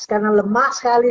karena lemah sekali